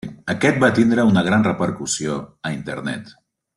Aquest va tindre una gran repercussió a internet.